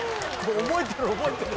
覚えてる覚えてる。